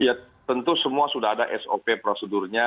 ya tentu semua sudah ada sop prosedurnya